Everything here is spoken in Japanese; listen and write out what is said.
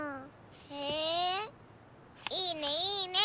へえいいねいいね！